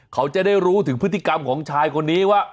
เขาจะได้รู้ถึงพฤติกรรมของชายคนนี้ว่า